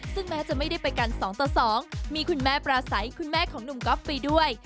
ซึ่งแม้จะไม่ได้ไปกันสองต่อสองมีคุณแม่ปลาไซค์คุณแม่ของหนุ่มกอล์ฟไปด้วย